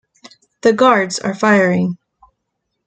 The guards are firing.